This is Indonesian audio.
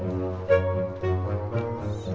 tolong bawa belanjaannya ke dalam ya mas pur